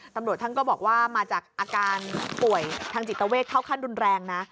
ตำรวจท่านก็บอกว่ามาจากอาการป่วยทางจิตเวทเข้าขั้นรุนแรงนะ